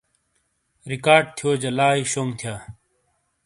کارڈ تھیو جا لائی شونگ تھیا۔